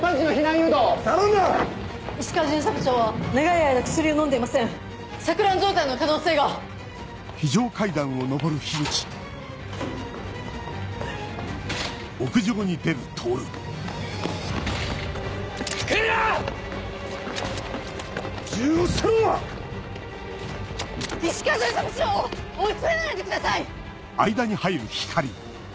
石川巡査部長を追い詰めないでください！